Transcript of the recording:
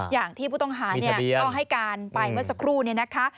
อย่างที่ผู้ต้องหาก็ให้การไปเมื่อสักครู่เนี่ยนะคะ